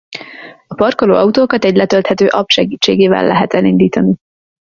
A parkoló autókat egy letölthető app segítségével lehet elindítani.